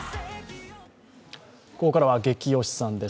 ここからは「ゲキ推しさん」です